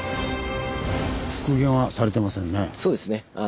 そうですね